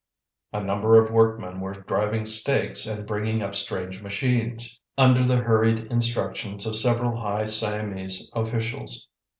A number of workmen were driving stakes and bringing up strange machines, under the hurried instructions of several high Siamese officials.